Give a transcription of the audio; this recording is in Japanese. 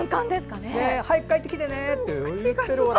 早く帰ってきてねって。